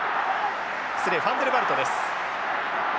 失礼ファンデルバルトです。